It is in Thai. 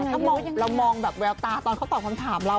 ก็มองแบบแวบตาตอนตอบคำถามเรา